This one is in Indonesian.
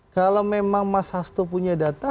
kalau memang mas hasto punya data